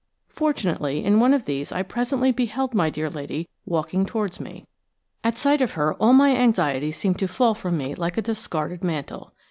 Fortunately, in one of these I presently beheld my dear lady walking towards me. At sight of her all my anxieties seemed to fall from me like a discarded mantle.